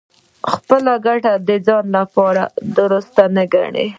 خپله ګټه د ځان لپاره دُرسته نه ګڼي.